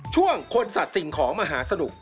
ช่วงคนสัตว์สิ่งของมหาสนุก